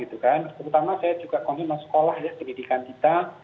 terutama saya juga konsumen sekolah pendidikan kita